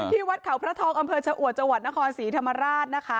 ที่วัดเขาพระทองอำเภอชะอวดจังหวัดนครศรีธรรมราชนะคะ